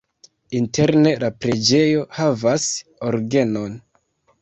Interne la preĝejo havas orgenon.